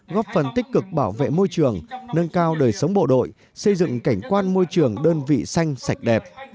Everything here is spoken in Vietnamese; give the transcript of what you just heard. góp phần tích cực bảo vệ môi trường nâng cao đời sống bộ đội xây dựng cảnh quan môi trường đơn vị xanh sạch đẹp